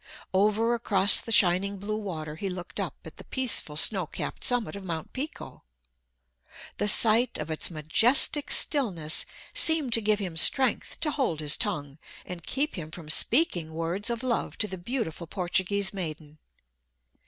Over across the shining blue water he looked up at the peaceful snow capped summit of Mt. Pico. The sight of its majestic stillness seemed to give him strength to hold his tongue and keep him from speaking words of love to the beautiful Portuguese maiden.